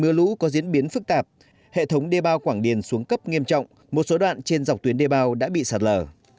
mưa lũ có diễn biến phức tạp hệ thống đê bao quảng điền xuống cấp nghiêm trọng một số đoạn trên dọc tuyến đê bao đã bị sạt lở